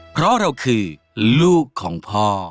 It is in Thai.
เพราะเราคือลูกของพ่อ